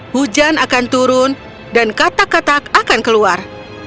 hujan akan turun dan katak katak akan keluar